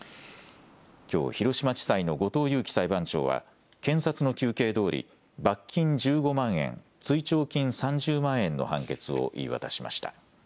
きょう広島地裁の後藤有己裁判長は検察の求刑どおり罰金１５万円、追徴金３０万円の判決を言い渡しました。